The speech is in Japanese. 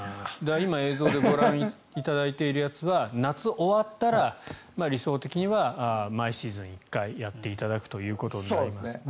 今、映像でご覧いただいているやつは夏終わったら理想的には毎シーズン１回やっていただくということになりますね。